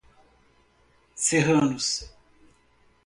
Serranos